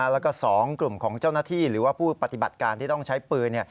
แล้วก็๒กลุ่มของเจ้าหน้าที่หรือว่าผู้ปฏิบัติการที่ต้องใช้ปืน